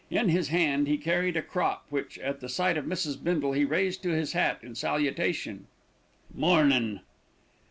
In his hand he carried a crop which, at the sight of Mrs. Bindle, he raised to his hat in salutation. "Mornin'."